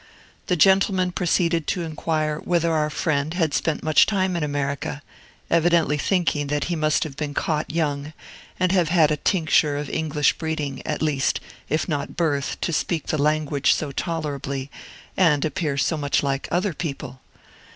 The gentleman proceeded to inquire whether our friend had spent much time in America, evidently thinking that he must have been caught young, and have had a tincture of English breeding, at least, if not birth, to speak the language so tolerably, and appear so much like other people.